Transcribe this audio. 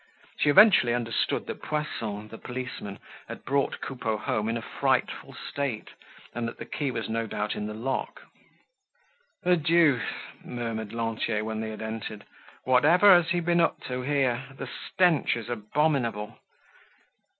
She eventually understood that Poisson, the policeman, had brought Coupeau home in a frightful state, and that the key was no doubt in the lock. "The deuce!" murmured Lantier, when they had entered, "whatever has he been up to here? The stench is abominable."